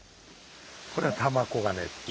これは玉黄金っていう。